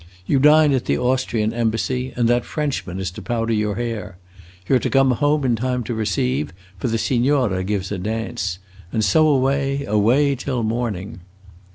You dine at the Austrian Embassy, and that Frenchman is to powder your hair. You 're to come home in time to receive, for the signora gives a dance. And so away, away till morning!"